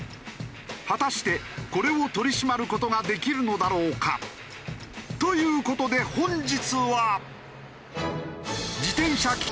果たしてこれを取り締まる事ができるのだろうか？という事で本日は。